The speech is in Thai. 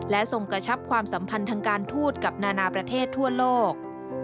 และทรงกระชับความสัมพันธ์ทางการทูตกับนานาประเทศทั่วโลก